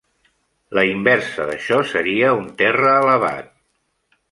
La inversa d'això seria un terra elevat.